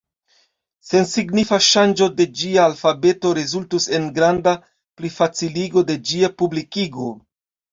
Sensignifa ŝanĝo de ĝia alfabeto rezultus en granda plifaciligo de ĝia publikigo.